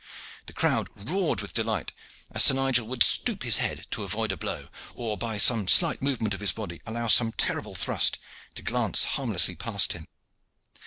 The crowd roared with delight as Sir Nigel would stoop his head to avoid a blow, or by some slight movement of his body allow some terrible thrust to glance harmlessly past him.